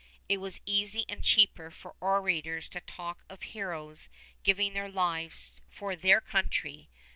It was easy and cheaper for orators to talk of heroes giving their lives for their country.